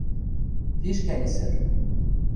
Пиш кӓньӹсӹр!..